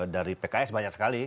dari pks banyak sekali